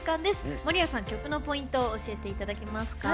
守屋さん、曲のポイントを教えていただけますか。